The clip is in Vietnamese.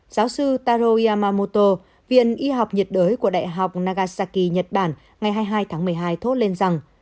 giáo sư taro yamamoto viện y học nhiệt đới của đại học nagasaki nhật bản ngày hai mươi hai tháng một mươi hai thốt lên rằng